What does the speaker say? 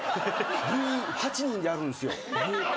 部員８人でやるんですよ。